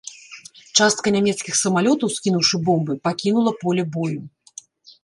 Частка нямецкіх самалётаў, скінуўшы бомбы, пакінула поле бою.